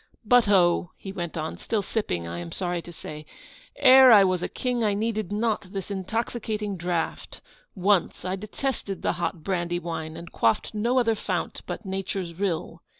'But oh!' he went on (still sipping, I am sorry to say), 'ere I was a king, I needed not this intoxicating draught; once I detested the hot brandy wine, and quaffed no other fount but nature's rill.